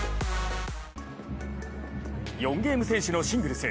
４ゲーム先取のシングルス。